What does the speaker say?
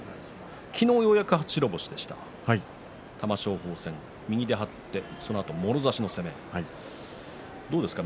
昨日ようやく初白星でした玉正鳳戦、右で張ってそのあともろ差しの攻めどうですか？